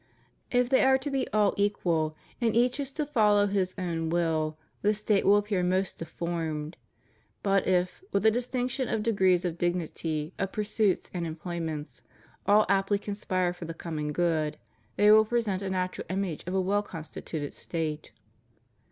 If they are to be all equal, and each is to follow his own will, the State will appear most deformed; but if, with a distinction of de grees of dignity, of pursuits and employments, all aptly conspire for the common good, they will present a natural image of a well constituted State.